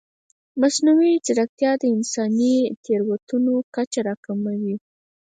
مصنوعي ځیرکتیا د انساني تېروتنو کچه راکموي.